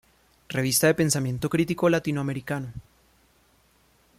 Revista de pensamiento crítico latinoamericano".